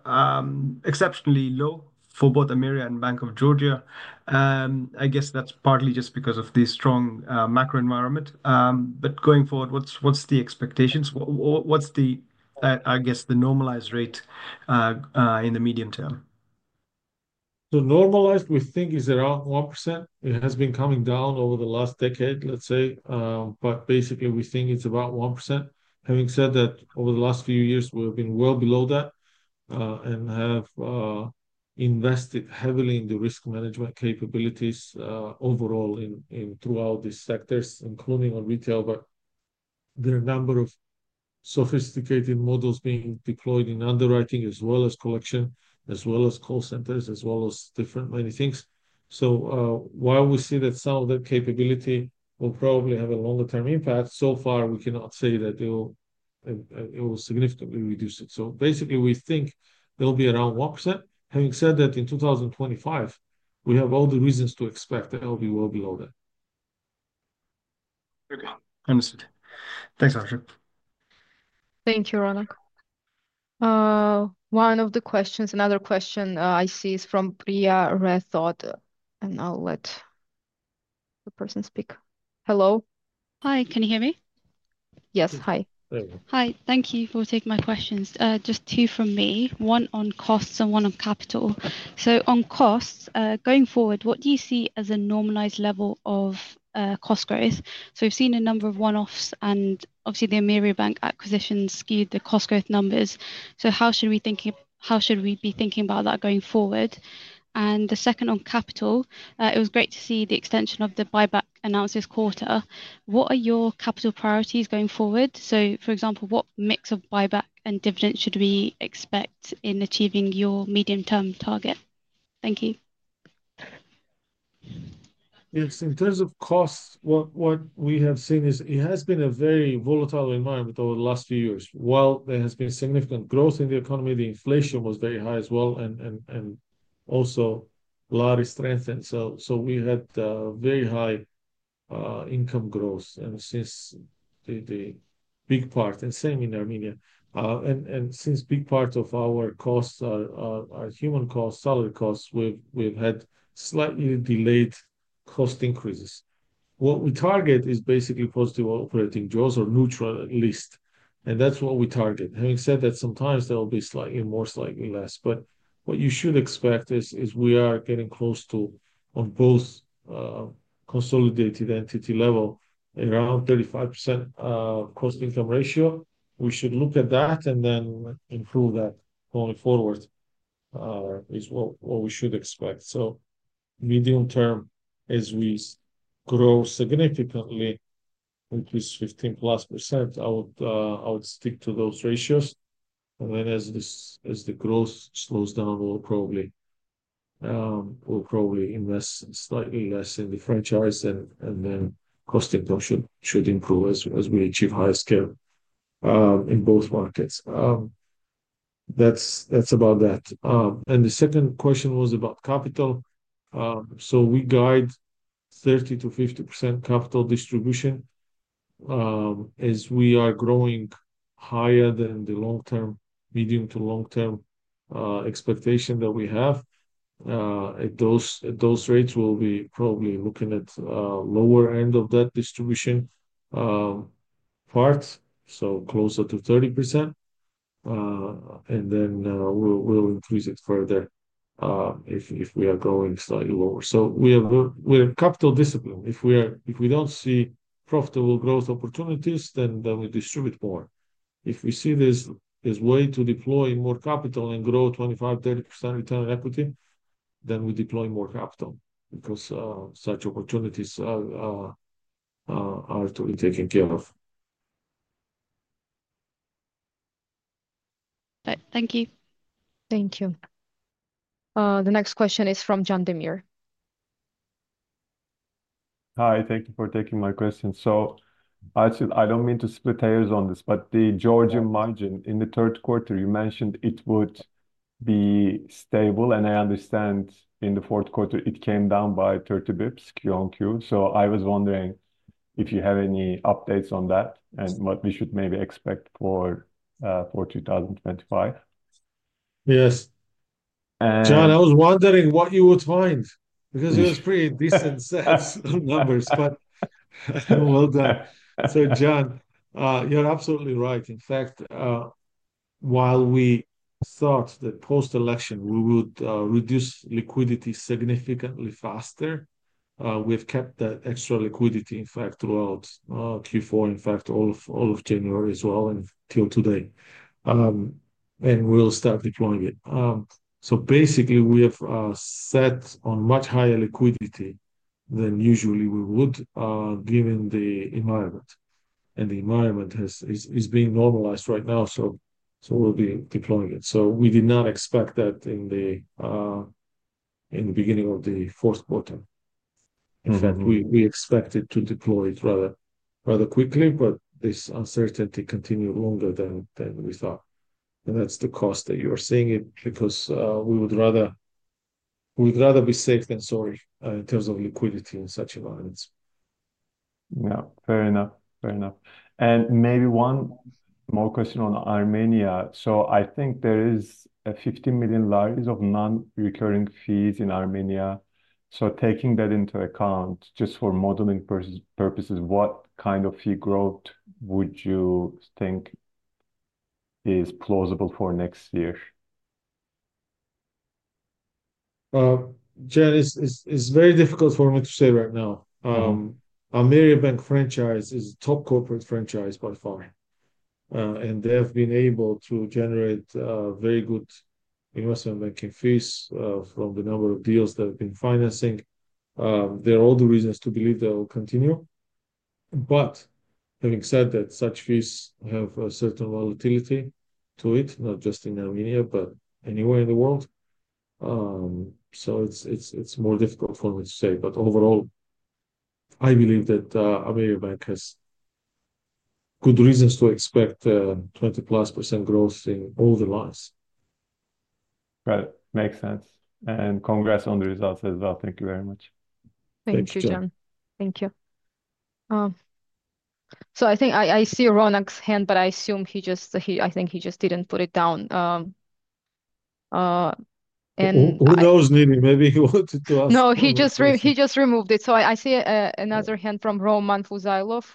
exceptionally low for both Ameriabank and Bank of Georgia. I guess that's partly just because of the strong macro environment. But going forward, what's the expectations? What's, I guess, the normalized rate in the medium term? The normalized, we think, is around 1%. It has been coming down over the last decade, let's say. But basically, we think it's about 1%. Having said that, over the last few years, we have been well below that and have invested heavily in the risk management capabilities overall throughout these sectors, including on retail. But there are a number of sophisticated models being deployed in underwriting as well as collection, as well as call centers, as well as different many things. So while we see that some of that capability will probably have a longer-term impact, so far, we cannot say that it will significantly reduce it. So basically, we think there'll be around 1%. Having said that, in 2025, we have all the reasons to expect that it will be well below that. Understood. Thanks, Archil. Thank you, Ronak. One of the questions, another question I see is from Priya Rathod. And I'll let the person speak. Hello? Hi. Can you hear me? Yes. Hi. Hi. Thank you for taking my questions. Just two from me. One on costs and one on capital. So on costs, going forward, what do you see as a normalized level of cost growth? So we've seen a number of one-offs, and obviously, the Ameriabank acquisition skewed the cost growth numbers. So how should we be thinking about that going forward? And the second on capital, it was great to see the extension of the buyback announced this quarter. What are your capital priorities going forward? So for example, what mix of buyback and dividend should we expect in achieving your medium-term target? Thank you. Yes. In terms of costs, what we have seen is it has been a very volatile environment over the last few years. While there has been significant growth in the economy, the inflation was very high as well and also a lot of strength and so we had very high income growth. And since the big part and same in Armenia and since big part of our costs are human costs, salary costs, we've had slightly delayed cost increases. What we target is basically positive operating growth or neutral at least and that's what we target. Having said that, sometimes there will be slightly more, slightly less. But what you should expect is we are getting close to, on both consolidated entity level, around 35% cost-to-income ratio, we should look at that and then improve that going forward is what we should expect. So medium term, as we grow significantly, at least +15%, I would stick to those ratios. And then as the growth slows down, we'll probably invest slightly less in the franchise, and then cost-to-income should improve as we achieve higher scale in both markets. That's about that. And the second question was about capital. So we guide 30-50% capital distribution. As we are growing higher than the long-term, medium to long-term expectation that we have, at those rates, we'll be probably looking at lower end of that distribution part, so closer to 30%. And then we'll increase it further if we are growing slightly lower. So we have capital discipline. If we don't see profitable growth opportunities, then we distribute more. If we see there's way to deploy more capital and grow 25%-30% return on equity, then we deploy more capital because such opportunities are to be taken care of. Thank you. Thank you. The next question is from Can Demir. Hi. Thank you for taking my question. So I don't mean to split hairs on this, but the Georgia margin in the third quarter, you mentioned it would be stable. I understand in the Q4, it came down by 30 basis points Q on Q. So I was wondering if you have any updates on that and what we should maybe expect for 2025. Yes. John, I was wondering what you would find because it was pretty decent numbers, but well done. So John, you're absolutely right. In fact, while we thought that post-election, we would reduce liquidity significantly faster, we've kept that extra liquidity, in fact, throughout Q4, in fact, all of January as well until today, and we'll start deploying it. So basically, we have sat on much higher liquidity than usually we would given the environment. And the environment is being normalized right now, so we'll be deploying it, so we did not expect that in the beginning of the Q4. In fact, we expected to deploy it rather quickly but this uncertainty continued longer than we thought and that's the cost that you are seeing it because we would rather be safe than sorry in terms of liquidity in such environments. Yeah. Fair enough. Fair enough. And maybe one more question on Armenia. So I think there is a GEL 15 million of non-recurring fees in Armenia. So taking that into account just for modeling purposes, what kind of fee growth would you think is plausible for next year? It's very difficult for me to say right now. Ameriabank franchise is a top corporate franchise by far. And they have been able to generate very good investment banking fees from the number of deals that have been financing. There are all the reasons to believe they will continue. But having said that, such fees have a certain volatility to it, not just in Armenia, but anywhere in the world. So it's more difficult for me to say. But overall, I believe that Ameriabank has good reasons to expect 20-plus% growth in all the lines. Got it. Makes sense. And congrats on the results as well. Thank you very much. Thank you, John. Thank you. So I think I see Ronak's hand, but I assume he just, I think he just didn't put it down and. Who knows, Nini? Maybe he wanted to ask. No, he just removed it. So I see another hand from Roman Fuzaylov.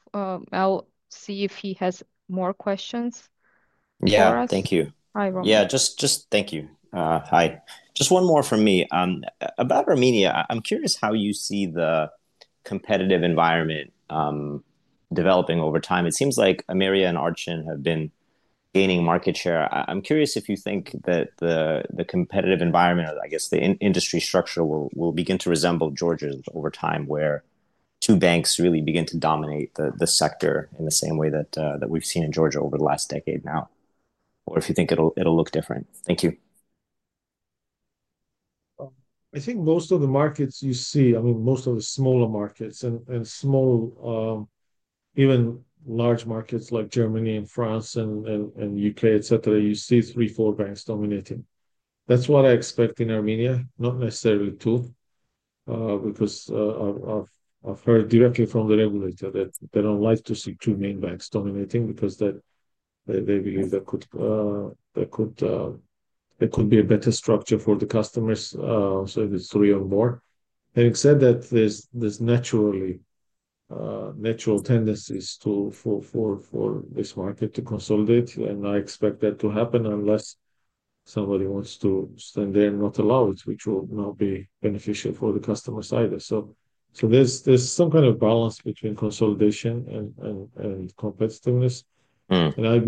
I'll see if he has more questions for us. Yeah. Thank you. Hi, Roman. Yeah. Just thank you. Hi. Just one more from me. About Armenia, I'm curious how you see the competitive environment developing over time. It seems like Ameria and Ardshin have been gaining market share. I'm curious if you think that the competitive environment or I guess the industry structure will begin to resemble Georgia's over time where two banks really begin to dominate the sector in the same way that we've seen in Georgia over the last decade now. Or if you think it'll look different. Thank you. I think most of the markets you see, I mean, most of the smaller markets and small, even large markets like Germany and France and the U.K., et cetera., you see three, four banks dominating. That's what I expect in Armenia, not necessarily two, because I've heard directly from the regulator that they don't like to see two main banks dominating because they believe that could be a better structure for the customers. So if it's three or more. Having said that, there's natural tendencies for this market to consolidate and I expect that to happen unless somebody wants to stand there and not allow it, which will not be beneficial for the customer side. So there's some kind of balance between consolidation and competitiveness and I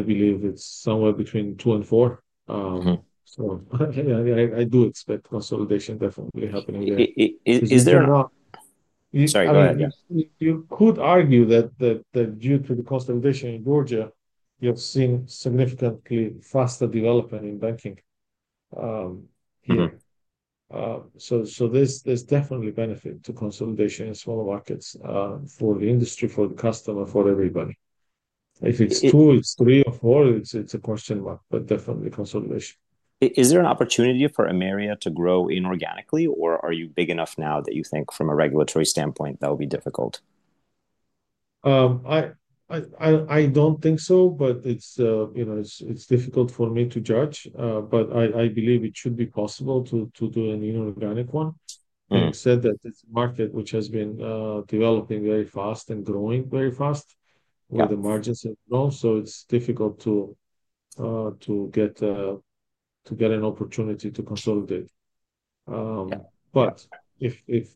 believe it's somewhere between two and four. So I do expect consolidation definitely happening there. You could argue that due to the consolidation in Georgia, you have seen significantly faster development in banking here. So there's definitely benefit to consolidation in smaller markets for the industry, for the customer, for everybody. If it's two, it's three, or four, it's a question mark, but definitely consolidation. Is there an opportunity for Ameria to grow inorganically, or are you big enough now that you think from a regulatory standpoint that will be difficult? I don't think so, but it's difficult for me to judge. But I believe it should be possible to do an inorganic one. Having said that, it's a market which has been developing very fast and growing very fast where the margins have grown. So it's difficult to get an opportunity to consolidate. But if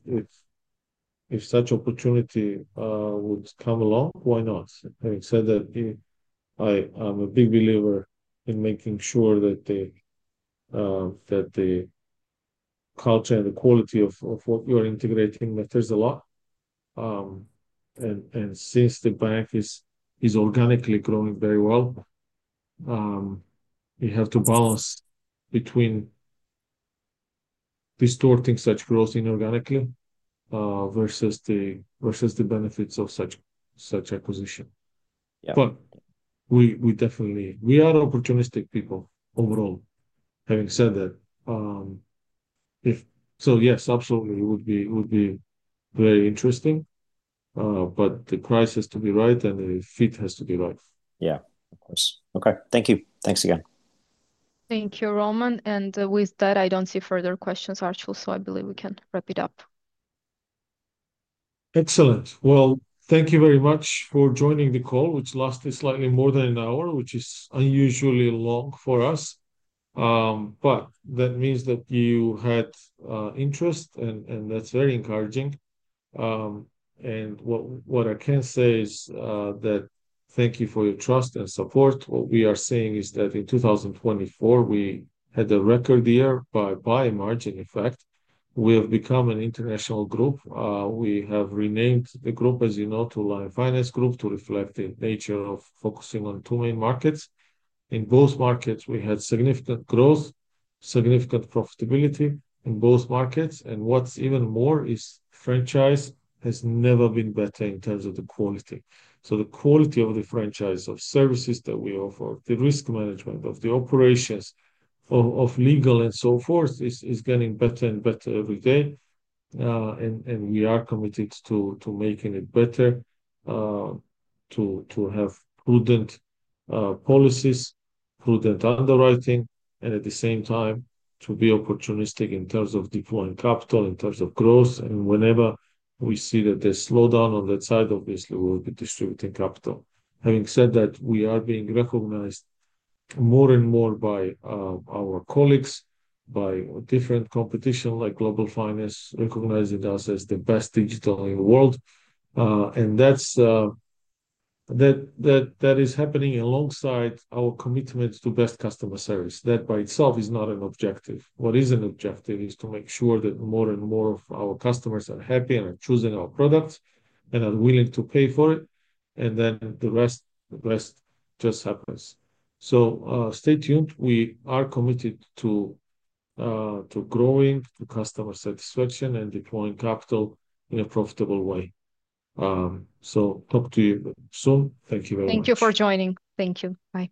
such opportunity would come along, why not? Having said that, I'm a big believer in making sure that the culture and the quality of what you're integrating matters a lot. And since the bank is organically growing very well, you have to balance between distorting such growth inorganically versus the benefits of such acquisition. But we definitely are opportunistic people overall. Having said that, so yes, absolutely, it would be very interesting. But the price has to be right, and the fit has to be right. Yeah. Of course. Okay. Thank you. Thanks again. Thank you, Roman. And with that, I don't see further questions, Archil. So I believe we can wrap it up. Excellent. Well, thank you very much for joining the call, which lasted slightly more than an hour, which is unusually long for us. But that means that you had interest and that's very encouraging And what I can say is that thank you for your trust and support. What we are seeing is that in 2024, we had a record year by margin, in fact. We have become an international group. We have renamed the group, as you know, to Lion Finance Group to reflect the nature of focusing on two main markets. In both markets, we had significant growth, significant profitability in both markets and what's even more is franchise has never been better in terms of the quality. So the quality of the franchise, of services that we offer, the risk management of the operations, of legal, and so forth is getting better and better every day and we are committed to making it better, to have prudent policies, prudent underwriting, and at the same time, to be opportunistic in terms of deploying capital, in terms of growth. And whenever we see that there's a slowdown on that side, obviously, we will be distributing capital. Having said that, we are being recognized more and more by our colleagues, by different competition like Global Finance recognizing us as the best digital in the world. And that is happening alongside our commitment to best customer service. That by itself is not an objective. Our objective is to make sure that more and more of our customers are happy and are choosing our products and are willing to pay for it, and then the rest just happens, so stay tuned. We are committed to growing to customer satisfaction and deploying capital in a profitable way, so talk to you soon. Thank you very much. Thank you for joining. Thank you. Bye.